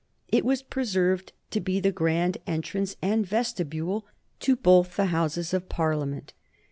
It was preserved, to be the grand entrance and vestibule to both the Houses of Parliament.